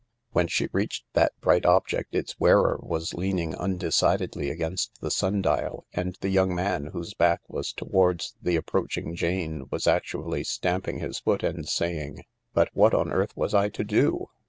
When she reached that bright object its wearer was leaning undecidedly against the sundial, and the young man, whose back was towards the approaching Jane, was actually stamping his foot and saying :" Btft what on earth was I to do?